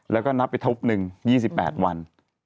แล้วก็นับไปทั้งรุ่นนึง๒๘วัน